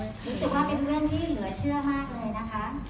รู้สึกว่าเป็นเพื่อนที่เหลือเชื่อมากเลยนะคะ